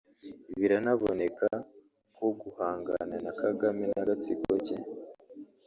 biranaboneka ko guhangana na Kagame n’agatsiko ke